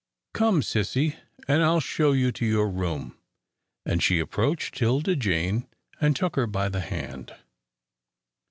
Come, sissy, and I'll show you to your room," and she approached 'Tilda Jane, and took her by the hand.